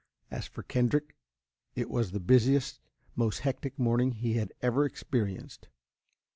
As for Kendrick, it was the busiest, most hectic morning he had ever experienced.